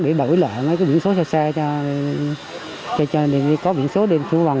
để đổi lại biển số cho xe cho có biển số để thu hằng